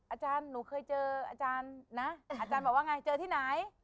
อาจารย์หนูเคยเจออาจารย์นะอาจารย์บอกว่าไงเจอที่ไหน